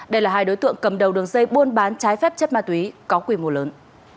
đây là hai đối tượng cầm đầu đường dây buôn bán trái phép chất ma túy có quy mô lớn